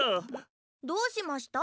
どうしました？